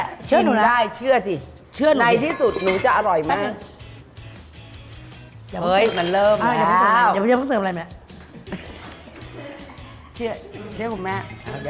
ไม่จองหนูใช่ชื่อสิในที่สุดหนูจะอร่อยมาก